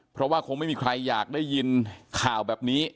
เพราะว่าคงไม่มีใครอยากได้ยินข่าวแบบนี้